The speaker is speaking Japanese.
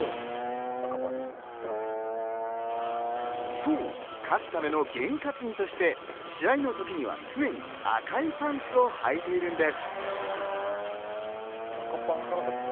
そう、勝つためのゲンかつぎとして試合の時には常に赤いパンツをはいているんです。